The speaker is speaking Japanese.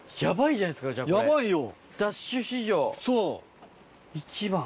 ヤバいよ。